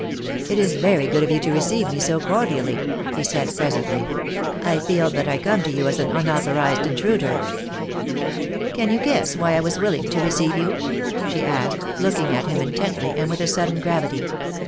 "It is very good of you to receive me so cordially," 256 THE DAY WILL COME. he said, presently. "I feel that I come to you as an un authorized intruder." "Can you guess why I was willing to receive you?" she asked, looking at him intently and with a sudden gravity.